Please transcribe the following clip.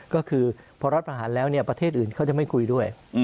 ก็คือพอรัฐประหารแล้วประเทศอื่นเขาจะไม่คุยด้วย